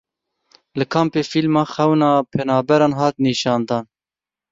Li kampê fîlma xewna penaberan hat nîşandan.